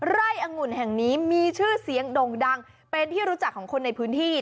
ร่องุ่นแห่งนี้มีชื่อเสียงด่งดังเป็นที่รู้จักของคนในพื้นที่